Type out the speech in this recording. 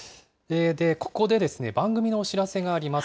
ここで番組のお知らせがあります。